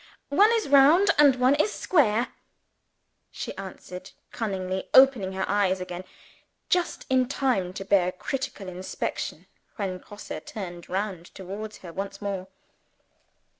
"One is round and one is square," she answered, cunningly opening her eyes again, just in time to bear critical inspection when Grosse turned round towards her once more.